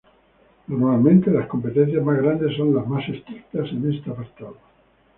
Normalmente las competencias más grandes son las más estrictas en este apartado.